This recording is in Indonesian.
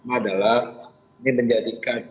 adalah ini menjadikan